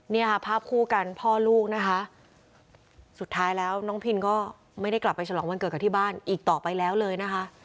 เนี่ยค่ะภาพคู่กันพ่อลูกนะคะสุดท้ายแล้วน้องพินก็ไม่ได้กลับไปฉลองวันเกิดกับที่บ้านอีกต่อไปแล้วเลยนะคะ